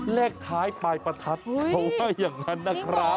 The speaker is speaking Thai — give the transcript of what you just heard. เลขท้ายปลายประทัดเขาว่าอย่างนั้นนะครับ